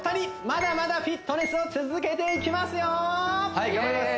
まだまだフィットネスを続けていきますよーはい頑張ります